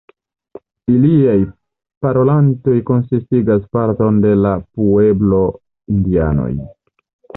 Iliaj parolantoj konsistigas parton de la pueblo-indianoj.